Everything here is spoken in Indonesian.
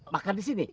makan di sini